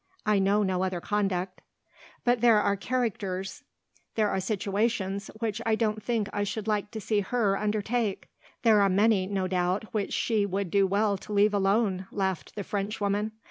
I know no other conduct." "But there are characters, there are situations, which I don't think I should like to see her undertake." "There are many, no doubt, which she would do well to leave alone!" laughed the Frenchwoman.